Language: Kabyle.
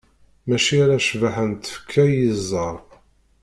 Mačči ala ccbaḥa n tfekka i yeẓẓar.